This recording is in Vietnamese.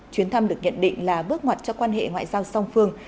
chuyến thăm được nhận định là bước ngoặt cho quan hệ ngoại giao song phương